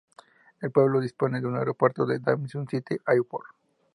El pueblo dispone de un aeropuerto, el Dawson City Airport.